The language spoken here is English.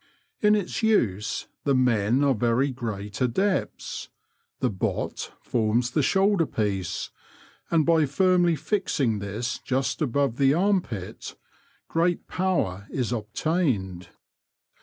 In its use the men are very great adepts; the bot" forms the shoulder piece, and by firmly fixing this just above the armpit, great power is obtained.